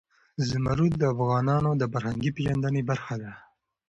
زمرد د افغانانو د فرهنګي پیژندنې برخه ده.